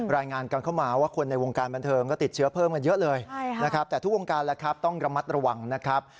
รายงานกันเข้ามาว่าคนในวงการบันเทิงก็ติดเชื้อเพิ่มกันเยอะเลยนะครับแต่ทุกวงการแล้วครับต้องระมัดระวังนะครับ